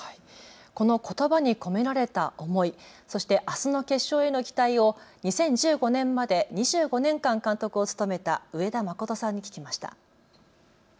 このことばに込められた思い、そしてあすの決勝への期待を２０１５年まで２５年間監督を務めた上田誠さんに聞きました。